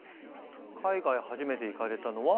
海外初めて行かれたのはおいくつ？